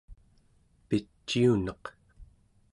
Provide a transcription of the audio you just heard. piciuneq